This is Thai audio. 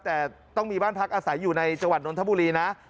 แต่ต้องมีบ้านพักอาศัยอยู่ในจังหวัดนทบุรีนะ